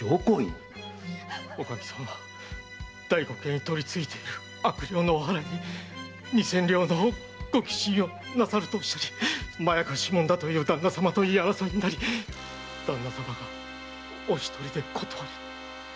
おかみさんが大黒屋に取り憑いている悪霊のお祓いに二千両のご寄進をなさると聞き「まやかしものだ」と言う旦那様と言い争いになり旦那様がお一人で断りに！